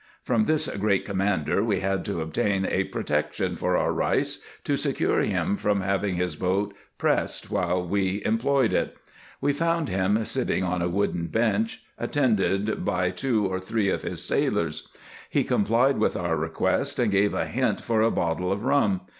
From this great commander we had to obtain a protection for our Pieis, to secure him from 144 RESEARCHES AND OPERATIONS having his boat pressed while we employed it. We found him sitting on a wooden bench, attended by two or three of his sailors. He complied with our request, and gave a hint for a bottle of rum.